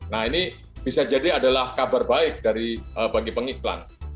nah ini bisa jadi adalah kabar baik bagi pengiklan